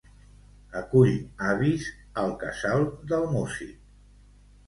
Acull avis al Casal del Músic.